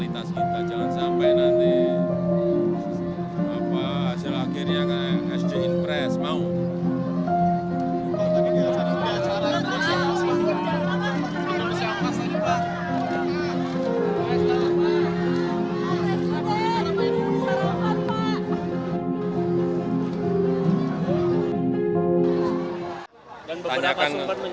dan beberapa sempat menyebutkan bahwa